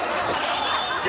いや。